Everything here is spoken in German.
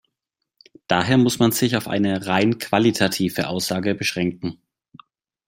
Daher muss man sich auf eine rein qualitative Aussage beschränken.